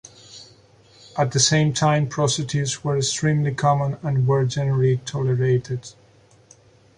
At the same time, prostitutes were extremely common and were generally tolerated.